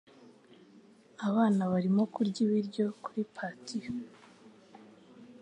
Abana barimo kurya ibiryo kuri patio.